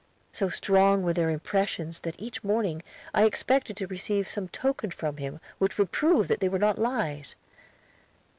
So strong were their impressions that each morning I expected to receive some token from him which would prove that they were not lies.